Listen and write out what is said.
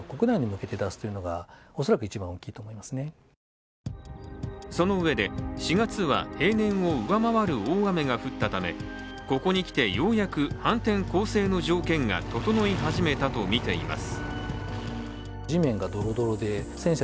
専門家はそのうえで、４月は平年を上回る大雨が降ったためここにきてようやく反転攻勢の条件が整い始めたとみています。